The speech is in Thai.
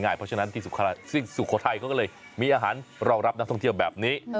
เพราะฉะนั้นที่สุโขทัยเขาก็เลยมีอาหารรองรับนักท่องเที่ยวแบบนี้